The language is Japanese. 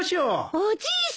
おじいさん！